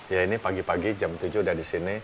ya ini pagi pagi jam tujuh udah disini